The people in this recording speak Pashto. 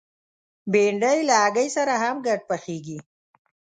بېنډۍ له هګۍ سره هم ګډ پخېږي